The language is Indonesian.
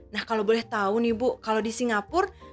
nah kalau boleh tahu nih bu kalau di singapura